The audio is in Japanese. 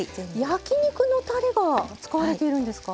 焼き肉のたれが使われているんですか？